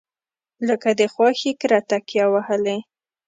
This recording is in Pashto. لکه د خواښې کره تکیه وهلې.